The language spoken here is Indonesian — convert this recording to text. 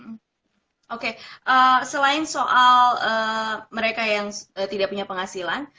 selain soal mereka yang tidak punya penghasilan